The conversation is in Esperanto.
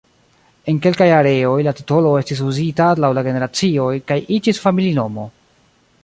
En kelkaj areoj, la titolo estis uzita laŭ la generacioj, kaj iĝis familinomo.